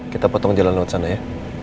kita potong jalan laut sana ya